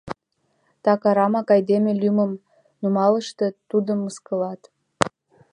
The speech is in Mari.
Так арамак айдеме лӱмым нумалыштыт, тудым мыскылат.